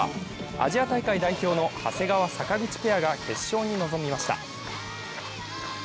アジア大会代表の長谷川・坂口ペアが決勝に臨みました。